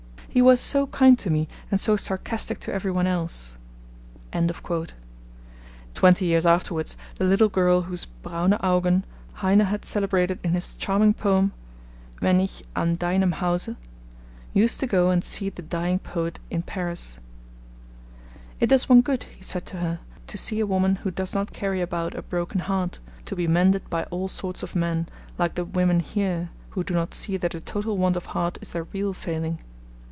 He was ... so kind to me and so sarcastic to every one else.' Twenty years afterwards the little girl whose 'braune Augen' Heine had celebrated in his charming poem Wenn ich an deinem Hause, used to go and see the dying poet in Paris. 'It does one good,' he said to her, 'to see a woman who does not carry about a broken heart, to be mended by all sorts of men, like the women here, who do not see that a total want of heart is their real failing.'